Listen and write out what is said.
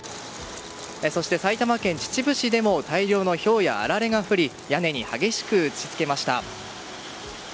埼玉県秩父市でも大量のひょうやあられが降り屋根に激しく打ち付けました。